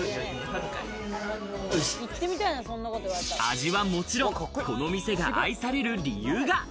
味はもちろん、この店が愛される理由が。